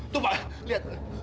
tuh pak lihat